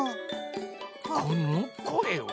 このこえは？